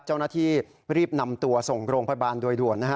เจ้าหน้าที่รีบนำตัวส่งโรงพยาบาลโดยด่วนนะฮะ